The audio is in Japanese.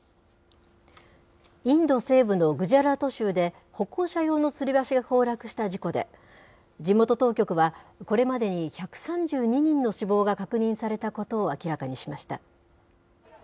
インド西部のグジャラート州で、歩行者用のつり橋が崩落した事故で、地元当局は、これまでに１３２人の死亡が確認されたことを明らかにしました。